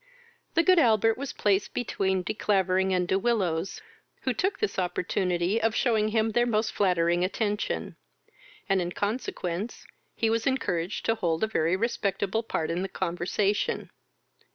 The good Albert was placed between De Clavering and De Willows, who took this opportunity of shewing him their most flattering attention, and, in consequence, he was encouraged to hold a very respectable part in the conversation.